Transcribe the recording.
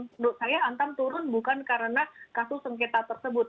menurut saya antam turun bukan karena kasus sengketa tersebut